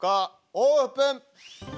オープン！